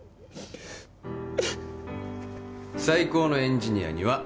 最高のエンジニアには